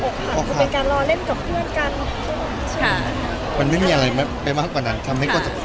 ออกหันเป็นการรอเล่นกับเพื่อนกันมันไม่มีอะไรไปมากกว่านั้นทำให้กดจับไฟ